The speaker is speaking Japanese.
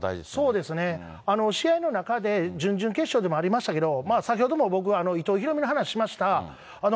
そうですね、試合の中で、準々決勝でもありましたけど、先ほども僕、伊藤大海の話しました。